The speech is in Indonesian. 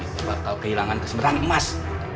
kita bakal kehilangan kesempatan emas